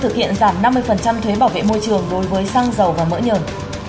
thưa quý vị nhà ở xã hội đã thực hiện giảm năm mươi thuế bảo vệ môi trường đối với xăng dầu và mỡ nhờn